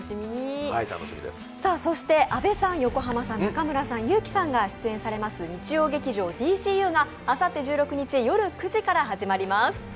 阿部さん、横浜さん、中村さん、有輝さんが出演されます日曜劇場「ＤＣＵ」があさって１６日夜９時から始まります。